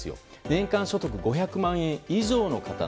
年間所得５００万円以上の人